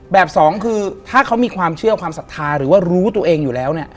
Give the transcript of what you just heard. สองคือถ้าเขามีความเชื่อความศรัทธาหรือว่ารู้ตัวเองอยู่แล้วเนี่ย